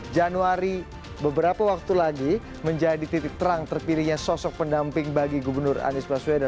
januari beberapa waktu lagi menjadi titik terang terpilihnya sosok pendamping bagi gubernur anies baswedan